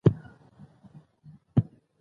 د روس څهره ډېره ظالمانه او غېر انساني ښودله.